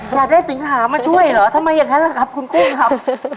อยากได้สิงหามาช่วยเหรอทำไมอย่างนั้นล่ะครับคุณกุ้งครับ